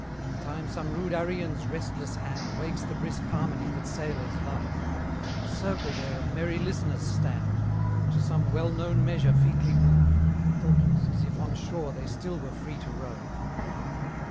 Meantime some rude Arion's restless hand Wakes the brisk harmony that sailors love: A circle there of merry listeners stand, Or to some well known measure featly move, Thoughtless, as if on shore they still were free to rove.